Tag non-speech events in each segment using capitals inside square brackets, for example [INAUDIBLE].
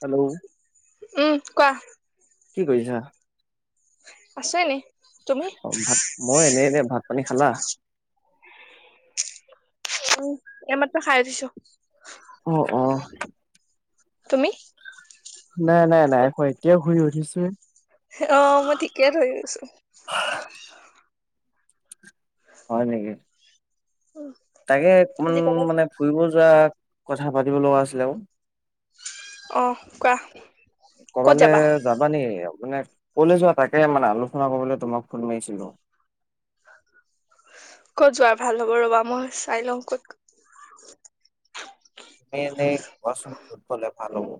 Hello! উম কোৱা। কি কৰিছা? আছো এনেই। অ ভাত মই এনেই এনে, ভাত পানী খালা? উম এমাত্ৰ খাই উঠিছো। অ অ তুমি? নাই নাই নাই খোৱা এতিয় শুই উঠিছো। [INAUDIBLE] অ মই ঠিকে ধৰি আছো হয় নেকি? উম, তাকে অকমান আজি কলেজ মানে ফুৰিব যোৱা কথা পাতিব লগা আছিলে আকৌ। অঁ কোৱা। কবালে যাবা নি? মানে কলে যোৱা তাকে মানে আলোচনা কৰিবলৈ তোমাক ফোন মাৰিছিলো। কত যোৱাৰ ভাল হ'ব ৰবা মই চাই লওঁ ক'ত তুমি এনেই কোৱা চোন ক'ত গলে ভাল হ'ব?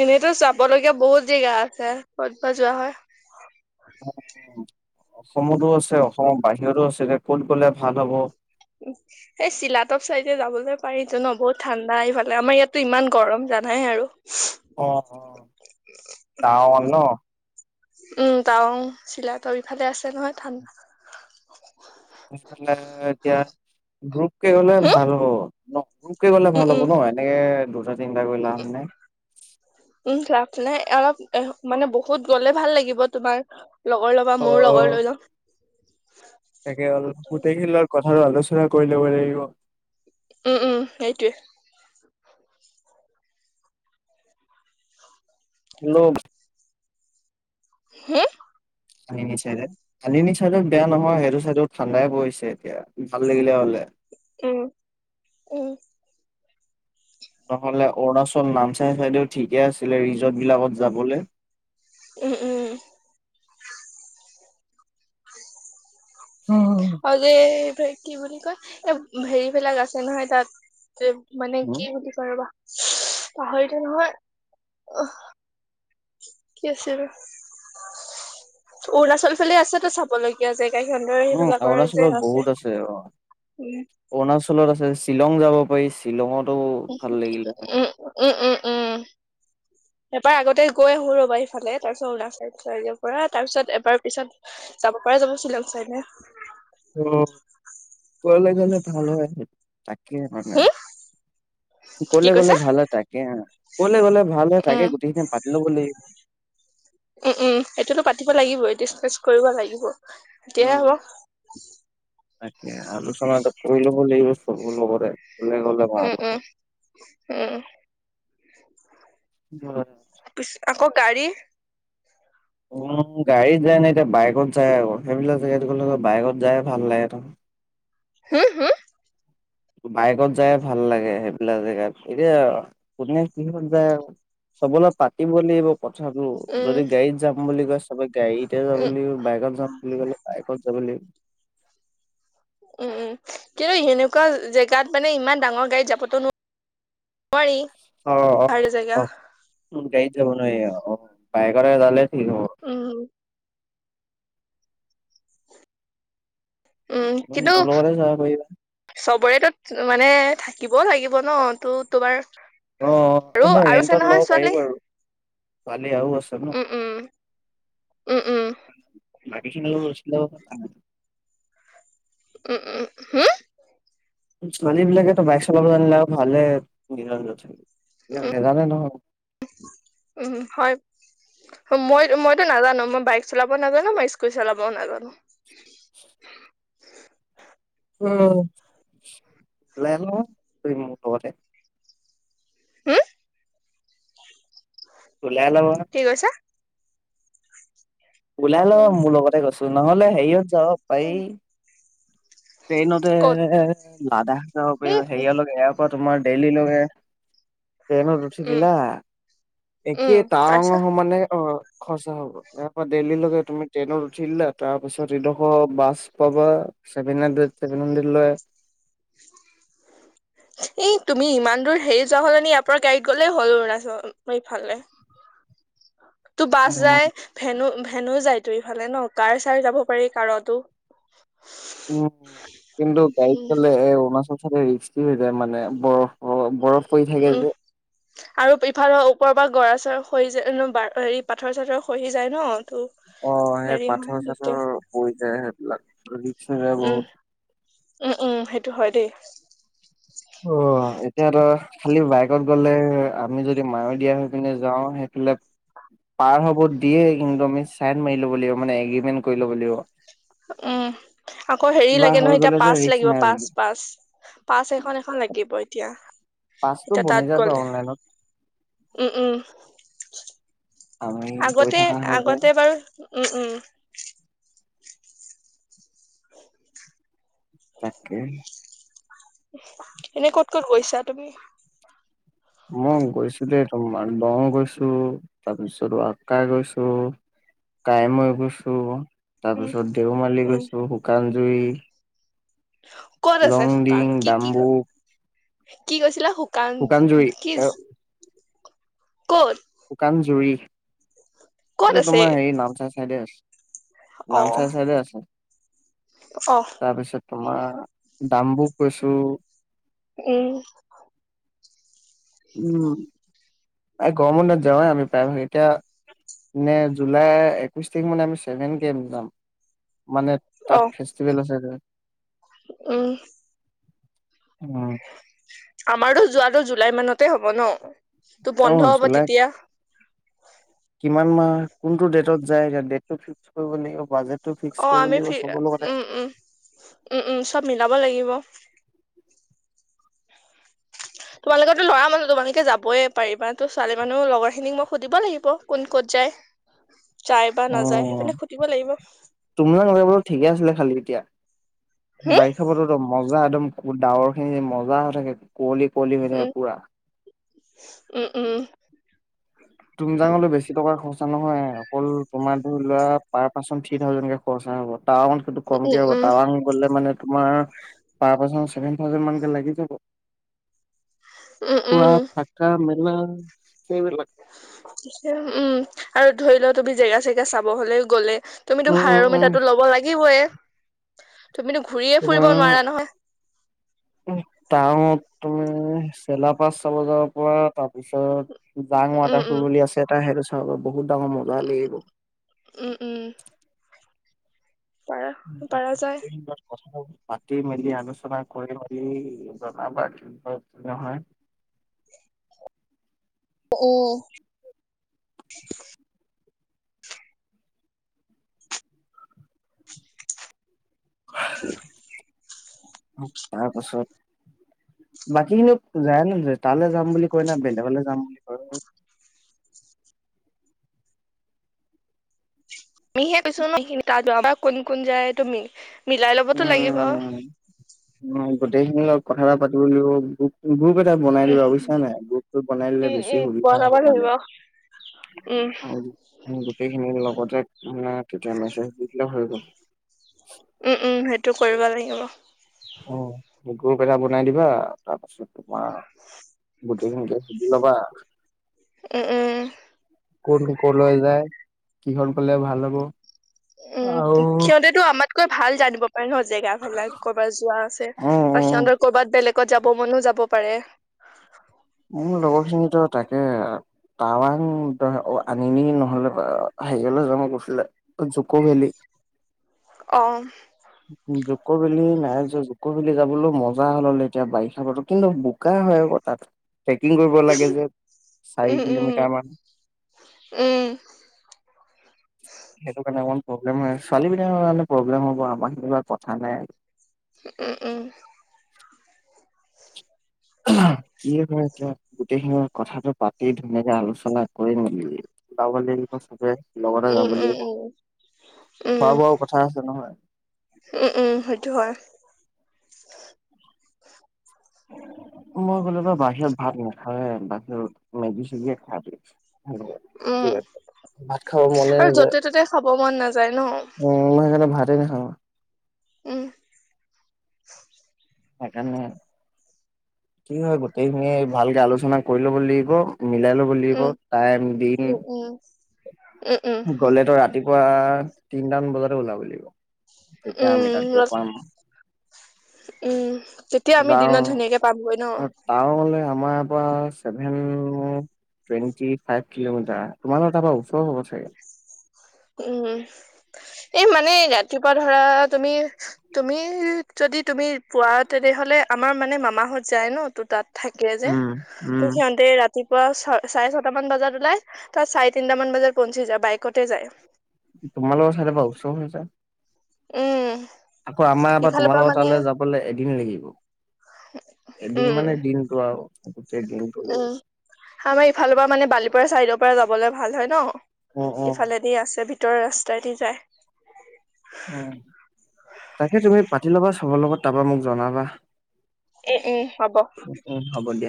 এনেইতো চাব লগগীয়া বহুত জেগা আছে ক'ত বা যোৱা হয়। অ [UNINTELLIGIBLE] অসমতো আছে অসমৰ বাহিৰৰো আছে এতিয়া ক'ত গ'লে ভাল হ'ব? সেই চিলাতপ চাইডে যাবলৈ পাৰিটো ন বহুত ঠাণ্ডা এইফালে আমাৰ ইয়াতো ইমান গৰম জানাই আৰু। অ অ টাৱাং ন। উম টাৱং চিলাতৰ ইফালে আছে নহয় ঠাণ্ডা। তেনেহলে এতিয়া গ্ৰুপ কে হম ভাল হব। ন [UNINTELLIGIBLE] কে গলে উম ভাল হ'ব উম ন এনে চিন্তা কৰি লাভ নাই। উম লাভ নাই, অলপ মানে বহুত গলে ভাল লাগিব তোমাৰ লগৰ লবা, অ মোৰ লগৰ লৈ যাও। [UNINTELLIGIBLE] [INAUDIBLE] তাকে অলপ গোটেই খেলোৱাৰ কথা ঘৰত আলোচনা কৰি লব লাগিব। উম উম সেইটোৱে। ল'ম হে? আন চাইডে আন চাইডে বেয়া নহয় সেইটো চাইডো ঠাণ্ডাই পৰিছে এতিয়া ভাল লাগিলে হলে উম, উম। নহলে অৰুণাচল, নামচাই চাইদেও ঠিকে আছিলে ৰিজৰ্টবিলাকত যাবলে। উম উম উম। উম উ [INAUDIBLE] আৰু যে কি বুলি কয় এই হেৰিবিলাক আছে নহয় তাত মানে উম কি বুলি কৈ ৰবা পাহৰিলো নহয়। কি আছিল, অৰুণাচল ফালে আছেতো চাব লগীয়া জেগা সিহঁতৰ উম সেইবিলাকৰ যে অৰুণাচলত বহুত আছে অ, উম অৰুণাচলত আছে শ্বিলং যাব পাৰি, শ্বিলঙত উম উম উম উম উম। এবাৰ আগতে গৈ আহো ৰবা ইফালে তাৰ পিছত অৰুণাচল চাইড চাইৰ পৰা তাৰ পিছত এবাৰ পিছত যাব পৰা যাব শ্বিলং চাইড নে? অ, ওপৰলে গ'লে ভাল হয় তাক কে মানে, হম কি কলে গলে কৈছা ভাল তাকে কলে গলে ভাল হৈ থাকে উম গোটেইখিনি পা পাতি লু বুলি উম উম সেইটোতো পাতিব লাগিব ডিচকাচ কৰিব লাগিব। তেতিয়া উম, হব। তাকে আলোচনা এটা কৰি লব লাগিব, চবৰ লগতে। ক'লে গ'লে ভাল উম হয়। উম উম। ব পি আকৌ গাড়ী উম, গাড়ীত যায় ন এতিয়া বাইকত যায় আকৌ সেইবিলাক জেগা গলে বাইকত যাই ভাল লাগে ত। হু হু? বাইকত যায় ভাল লাগে সেইবিলাক জেগাত এতিয়া কোনে কিহত যায় চবলৈ পাতিব লাগিব। কথাটো উম যদি গাড়ীত যাম বুলি কৈ চবে গাড়ীতে যাব উম লাগিব, বাইকত যাম বুলি ক'লে বাইকত যাব লাগিব। উম উম কিন্তু সেনেকুৱা জেগাত মানে ইমান ডাঙৰ গাড়ী যাবটো নোৱাৰেঁ। অ অ অ ম গাড়ীত যাব নোৱাৰি অ বাইক মানে জানে উম। উম কিন্তু মোৰ লগতে যাব পাৰিবা চবৰে [UNINTELLIGIBLE] মানে থাকিবও লাগিব ন ত তোমাৰ অ আৰু এ আৰু আছে ৰেন্টত নহয় লব পাৰি ছোৱালী বাৰু ছোৱালী আৰু আছে ন উম উম উম বাকী খিনি কলৈ গৈছিল উম উম হা ছোৱালী বিলাকেতো বাইক চলাব জানিলে ভালে নিজৰ নিজৰ থাকে ইয়াত নেজানে নহয় উম হয় মই মইতো নাজানো মই বাইক চলাবও নাজানো মই স্কুটি চলাবও নাজানো [INAUDIBLE] [INAUDIBLE] লেল তহতে ম [UNINTELLIGIBLE] হু ত ল আল বা [UNINTELLIGIBLE] কি কৈছা ওলাই ল উম মোৰ লগতে কৈছো নহ'লে হেৰিয়ত পাৰি উম ট্ৰেইনতে ক'ত লাডাখ যাব পাৰিম উম হেৰিয়ালকে এয়াৰপৰ্টত তোমাৰ দেলহি লৈকে ট্ৰেনত উঠি উম দিলা উম একে তাৱাংৰ তাৰপিছত সমানে অ খৰচা হ'ব ইয়াৰপৰা দেল্লীকে তুমি ট্ৰেইনত উঠিলা তাৰ পিছত ইডোখৰ বাছ পাবা চেভেন হানড্ৰেদ চেভেন হানড্ৰেদ লয় এ তুমি ইমান দূৰ হেৰি যোৱা হলে নে ইয়াৰ পৰা গাড়ীত গ'লেই হ'ল অনৰুণাচল ইফালে তোৰ বাছ উম জাই ভেনু ভেনো যায় তো ইফালে ন কাৰ ছাৰ যাব পাৰি কাৰতো উ কিন্তু গাড়ীত উম গলে অৰুণাচল চাইতে বেছি হৈ যায় মানে বৰফ বৰফ পৰি থাকে উম যে আৰু ইফালৰ পৰা পৰা গৰা চৰা আহি যায় হেৰি পাথৰ চাথৰ খ হি যায় ন অ সেই হেৰি হয় পাথৰ দিগদাৰ চাথৰ পৰি যায় সেইবিলাক ৰিক্স হৈ যায় উম বহুত উম উম সেইটো হয় দেই অ এতিয়া ত খালি বাইকত গ'লে আমি যদি মায় দিয়া হৈ পিনে যাওঁ সেইফালে পাৰ হ'ব দিয়ে কিন্তু আমি চাইড মাৰি ল'ব লাগিব মানে এগ্ৰীমেন্ট কৰি ল'ব লাগিব উম আকৌ হেৰি কিবা লাগে হৈ নহয় এতিয়া গ'লে যে পাচ ৰিস্ক লাগিব নাই পাচ বুলি পাচ পাচ এখন এখন লাগিব এতিয়া পাছটো এতিয়া বনি তাত যাব গলে অনলাইনত উম উম আমি গৈ আগতে থকা হয় যে আগতে বাৰু উম উম তাকে এনেই ক'ত ক'ত গৈছা তুমি? মই গৈছো দেই তোমাৰ দ গৈছো তাৰপিছত আকাৰ গৈছো কাইমৈ গৈছো তাৰ উম পিছত দেওমালি উম গৈছো শুকান দুই ক'ত আছে শুকান লংডিং কি কি দাম্বুক কি কৈছিলা কান কি ক'ত শুকান জুৰি ক'ত এইটো আছে তোমাৰ হেৰি নাম চাই দে আছে অ নামচাই চাইদে আছে অ তাৰপিছত তোমাৰ ডাম্বোক গৈছো উম উম এই গৰমবন্ধত যাৱয়েই আমি প্ৰায়ভাগ এতিয়া নে জুলাই একৈশ তাৰিখ মানে আমি ছেভেন কে এম যাম মানে অ তাত ফেষ্টিভেল আছে উম উম, আমাৰতো যোৱাটো জো লাই মানতে হ'ব ন তো অ বন্ধ হ'ব জুলাই তেতিয়া কিমান মাহ কোনটো ডেটত যায় ডেটটো ফিক্স কৰিব লাগিব বাজেট অ আমি ফি উম উম উম উম চব মিলাব লাগিব [UNINTELLIGIBLE] তোমালোকেতো ল'ৰা মানুহ তোমালোকে যাবই পাৰিবা তো ছোৱালী মানুহ লগৰ খিনিক মই সুধিব লাগিব কোন ক'ত যায় যায় বা অ নাযায় সেইফালে সুধিব লাগিব তোমালোকে বাৰু ঠিকে আছিলা খালি এতিয়া হম বাইষা বতৰতো মজ জা একদম ডাৱৰ খিনি মজা হৈ থাকে কুঁৱলী কুঁৱলী হৈ থাকে উম পুৰা উম উম তুমজাঙলৈ বেছি টকা খৰচা নহয় অকল তোমাৰ ধৰি লোৱা পাৰ পাৰ্চন থ্ৰী থাউজেণ্ড কে খৰচা হ'ব টাৱাংতকে উম কমকে হ'ব উম টাৱাং গলে মানে তোমাৰ পাৰ পাৰ্চন চেভেন থাউজেণ্ড মানকে লাগি যাব উম খোৱা উম থাকা মেলা [UNINTELLIGIBLE] উম আৰু ধৰি লও তুমি জেগা চেগা চাব হলে গ'লে তুমিতো উম ভাড়া উম ৰুম উম এটাতো ল'ব লাগিবয়ে তুমিতো ঘূৰিয়ে ফুৰিব তোমাৰ নোৱাৰা নহয় উম চেলা পাচ ছ বজাৰ পৰা তাৰপিছত জাং উম ৱাটাৰ এটা সুল উম বুলি আছে এটা সেইটো খাব বহুত ডাঙৰ মজা লাগিব উম উম পাৰা [UNINTELLIGIBLE] পাৰা যায় মাতি মেলি আলোচনা কৰি মেলি জনাবা কি হয় নহয় অ [UNINTELLIGIBLE] তাৰ পাছত বাকীখিনি যায় নাযায় তালে যাম বুলি কয় না বেলেগলে যাম বুলি কয় তুমিহে কৈছ ন এখিনি তা যোৱাবা‌ৰ কোন কোন যায় তুমি মিলাই ল'বতো লাগিব উম অ গোটেইখিনিৰ [UNINTELLIGIBLE] গ্ৰুপ এটা বনাই দিবা বুজিছা নাই গ্ৰুপটো বনাই দিলে উম বেছি উম সুবিধা হব বনাব মানে লাগিব উম আৰু গোটেইখিনিৰ লগতে ম তেতিয়া মেছেজ দি দিলে হৈ গ'ল উম উম সেট- টো কৰিব লাগিব অ গ্ৰুপ এটা বনাই দিবা তাৰ পাছত তোমাৰ গোটেইখিনিকে সুধি লবা উম উম কোন কলৈ যায় কিহত গলে ভাল হ'ব উম আৰু খিয়তেতো আমাট- কৈ ভাল জানিব নহয় জেগা ভালাক কৰ'বাত যোৱা আছে অ অ বা সিহঁতৰ ক'ৰবাত বেলেগ ক'ত যাব মনো যাব পাৰে মোৰ লগৰ খিনিতো তাকে টাৱাং আনিনি নহ'লে হেৰিয়লে যাম মই কছিলে জুক ভেলি অ জুক বেলি নাই জুকৰ বেলি যাবলৈ মজা হল হল এতিয়া বাৰিষা বতৰ কিন্তু বোকা হয় আকৌ তাত ট্ৰেকিং কৰিব লাগে যে উম চাৰি উম কিলোমিটাৰমান উম সেইটো কাৰণে অকমান প্ৰব্লেম হয় ছোৱালী বিলাকৰ কাৰণে প্ৰব্লেম হ'ব আমাৰ খিনিবা কথা নাই উম উম কি হয় এতিয়া গোটেইখিনি কথাটো পাতি ধুনীয়াকে আলোচনা কৰি মেলি ওলাব লাগিব চবে লগতে উম যাব উম লাগিব উম উম খোৱা বোৱাও কথা আছে নহয় উম উম সেইটো হয়। অ। মই বলোম বাহিৰত ভাত নাখায়ে। বাহিৰত মেগী চেগীয়ে খাই চোন। উম ঠিক আছে ভাত খাব মনে আৰু নেযায় য'তে ত'তে খাব মন নাযায় ন নোসোমায় ভাত। নে হ। উহ্। সেইকাৰণে কি হয় গোটেইখিনিয়িে ভালকে আলোচনা কৰি লব লাগিব। মিলাই লব লাগিব উম টাইম দিন। উম উম উম উম হম্। পুৱা তিনটামান বজাতে ওলাব লাগিব। তেতিয়া আমি উম তাত গৈ পাম উম তেতিয়া আমি যাওঁ দিনত ধুনীয়াকে পামগৈ ন। টাৱাঙলে আমাৰ ইয়াৰ পৰা চেভেন টুৱেন্টি ফাইভ কিলোমিটাৰ তোমাৰ ভাগ। তাপা ওচৰ হব চাগে। উম্ এই মানে ৰাতিপুৱা ধৰা তুমি তুমি যদি তুমি পোৱা তেনেহলে আমাৰ মানে মামাহঁত যায় ন তু তাত। থাকে যে উম উম তোক সিহঁতে ৰা। ৰাতিপুৱা ছ চাৰে ছটামান বজাত ওলাই তাত চাৰে তিনিটামান বজাত পঞ্চী যায় বাইকতে যায়। তোমালোকৰ চাইডৰ পৰা ওচৰ হৈছে। উম্। আকৌ আমাৰ বা তোমাৰ লগৰ তালে যাবলে এদিন লাগিল। হেল্ল। এদিন উম মানে দিনটো আৰু। গোটেই দিনটো লাগিব উম আমাৰ ইফালৰ পৰা মানে বালিপাৰ চাইদৰ। পৰা যাবলে ভাল হয় অ অ ন। ইফালেদি আছে। ভিতৰ ৰাস্তাই দি যায়। উ তাকে তুমি পাতি লবা চবৰ লগত তাৰপৰা মোক জনাবা। এ উম হ'ব। উম উম হ'ব দিয়া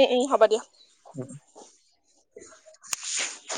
এ উম উম হ'ব দিয়া। [INAUDIBLE]